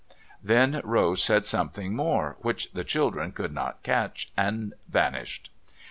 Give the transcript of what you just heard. Then Rose said something more, which the children could not catch, and vanished.